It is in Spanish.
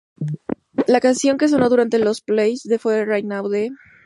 La canción que sonó durante los playoffs fue "Right Now" de The Pussycat Dolls.